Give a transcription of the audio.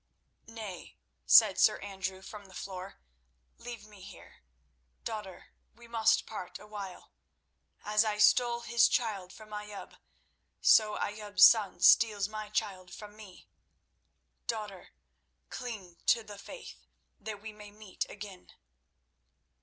"Nay," said Sir Andrew from the floor, "leave me here. Daughter, we must part awhile. As I stole his child from Ayoub, so Ayoub's son steals my child from me. Daughter, cling to the faith—that we may meet again."